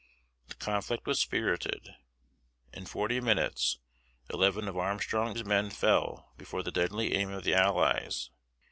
The conflict was spirited. In forty minutes, eleven of Armstrong's men fell before the deadly aim of the allies.